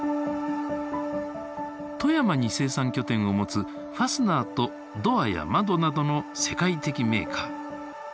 富山に生産拠点を持つファスナーとドアや窓などの世界的メーカー。